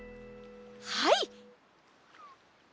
はい！